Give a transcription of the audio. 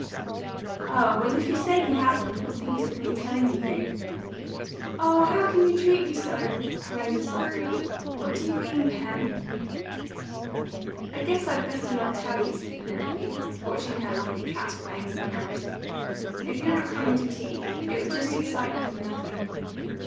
"Oh, well, if you say he hasn't, what's the use of my telling you who?" "Oh, how can you treat me so!" moaned the sufferer. "What do you mean, Pen?" "I guess I'd better not tell you," said Penelope, watching her like a cat playing with a mouse. "If you're not coming to tea, it would just excite you for nothing."